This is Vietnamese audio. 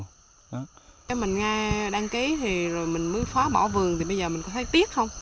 nếu mình đăng ký thì mình mới phá bỏ vườn thì bây giờ mình có thấy tiếc không